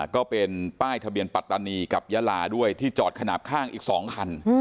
ก็เป็นป้ายทะเบียนปัตตานีกับยาลาด้วยที่จอดขนาดข้างอีก๒คัน